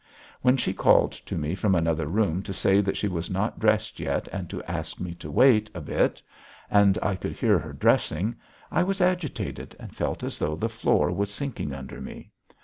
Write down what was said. When she called to me from another room to say that she was not dressed yet and to ask me to wait a bit, and I could hear her dressing, I was agitated and felt as though the floor was sinking under me.